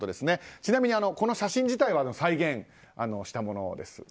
ちなみにこの写真自体は再現したものです。